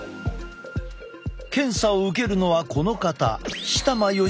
検査を受けるのはこの方。